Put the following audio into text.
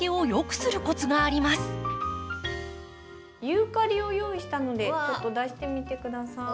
ユーカリを用意したのでちょっと出してみて下さい。